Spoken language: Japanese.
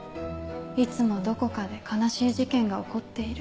いつもどこかで悲しい事件が起こっている。